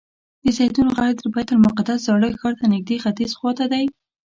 د زیتون غر د بیت المقدس زاړه ښار ته نږدې ختیځ خوا ته دی.